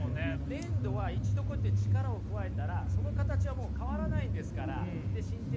粘土は一度こうやって力を加えたらその形はもう変わらないんですから。